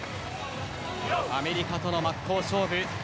アメリカとの真っ向勝負。